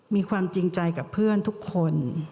มีความจริงใจกับเพื่อนทุกคน